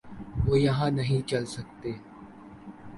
وہ یہاں نہیں چل سکتے۔